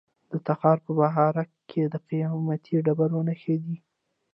د تخار په بهارک کې د قیمتي ډبرو نښې دي.